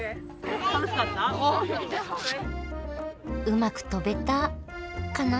うまく飛べたカナ？